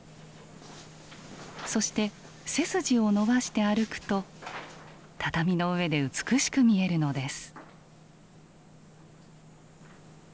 そして背筋を伸ばして歩くと畳の上で美しく見えるのです。